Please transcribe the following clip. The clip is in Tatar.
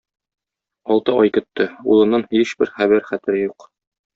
Алты ай көтте - улыннан һичбер хәбәр-хәтер юк.